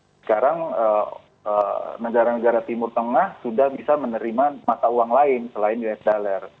sekarang negara negara timur tengah sudah bisa menerima mata uang lain selain us dollar